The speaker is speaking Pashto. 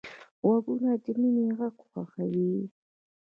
غوږونه د مینې غږ خوښوي